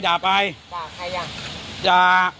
ด่าใครอ่ะ